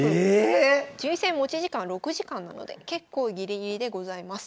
ええ⁉順位戦持ち時間６時間なので結構ギリギリでございます。